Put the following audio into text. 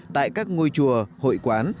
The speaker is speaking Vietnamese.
tại các ngôi chùa hội quán